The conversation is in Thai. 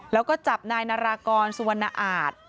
แล้วก็จับนายนารากรสุวรรณอาจ